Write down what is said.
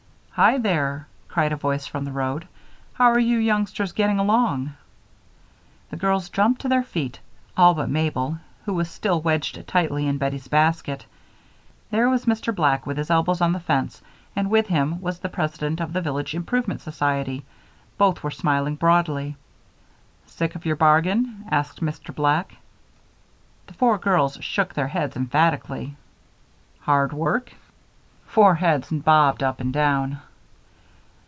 "Hi there!" cried a voice from the road. "How are you youngsters getting along?" The girls jumped to their feet all but Mabel, who was still wedged tightly in Bettie's basket. There was Mr. Black, with his elbows on the fence, and with him was the president of the Village Improvement Society; both were smiling broadly. "Sick of your bargain?" asked Mr. Black. The four girls shook their heads emphatically. "Hard work?" Four heads bobbed up and down.